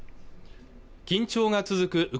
緊張が続く